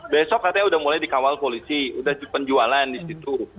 besok katanya sudah mulai dikawal polisi udah penjualan di situ